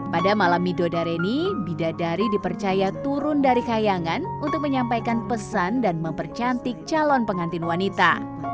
pada malam midodareni bidadari dipercaya turun dari kayangan untuk menyampaikan pesan dan mempercantik calon pengantin wanita